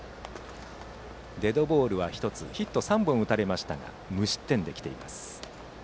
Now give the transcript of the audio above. デッドボールは１つヒット３本打たれましたが無失点で来ています。